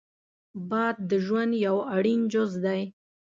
باد د ژوند یو اړین جز دی